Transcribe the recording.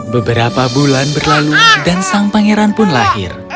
beberapa bulan berlalu dan sang pangeran pun lahir